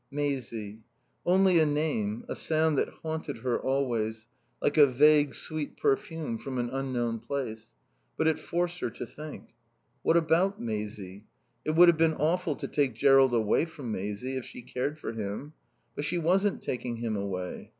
Maisie. Only a name, a sound that haunted her always, like a vague, sweet perfume from an unknown place. But it forced her to think. What about Maisie? It would have been awful to take Jerrold away from Maisie, if she cared for him. But she wasn't taking him away.